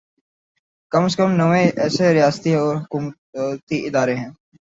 کم از کم نوے ایسے ریاستی و حکومتی ادارے ہیں